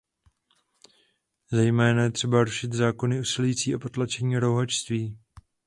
Zejména je třeba zrušit zákony usilující o potlačení rouhačství.